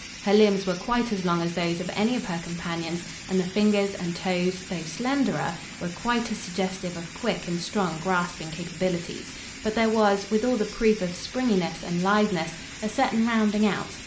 Her limbs were quite as long as those of any of her companions and the fingers and toes, though slenderer, were quite as suggestive of quick and strong grasping capabilities, but there was, with all the proof of springiness and litheness, a certain rounding out.